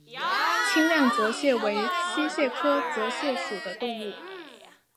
清亮泽蟹为溪蟹科泽蟹属的动物。